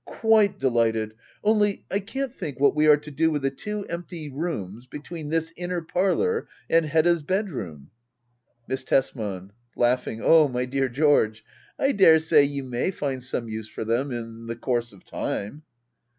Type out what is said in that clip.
Quite delighted I Only I can't think what we are to do with the two empty rooms between this inner parlour and Hedda's bedroom. Miss Tesman. [Laughing.'] Oh my dear George, I daresay you may find some use for them — ^in the course of time.